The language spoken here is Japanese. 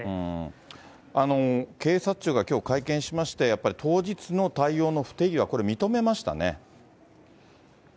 警察庁がきょう会見しまして、やっぱり当日の対応の不手際、これ、認めましたね。